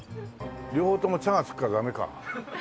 両方とも「ちゃ」がつくからダメか。